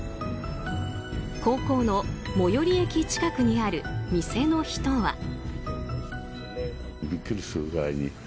高校の最寄り駅近くにある店の人は。